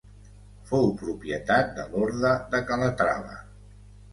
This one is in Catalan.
Fou propietat de l'Orde de Calatrava.